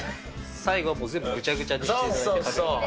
最後はもう全部ぐちゃぐちゃにしていただいて、かけていただいて。